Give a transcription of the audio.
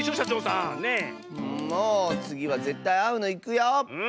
んもつぎはぜったいあうのいくよ。